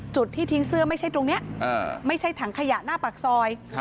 จุดที่ทิ้งเสื้อไม่ใช่ตรงนี้ไม่ใช่ถังขยะหน้าปากซอย